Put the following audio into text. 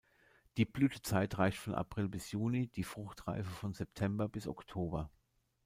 Die Blütezeit reicht von April bis Juni, die Fruchtreife von September bis Oktober.